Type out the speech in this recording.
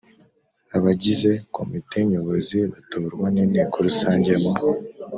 Abagize Komite Nyobozi batorwa n Inteko Rusange mu